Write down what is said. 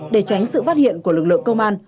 để tránh sự phát hiện của lực lượng công an